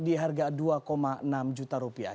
di harga dua enam juta rupiah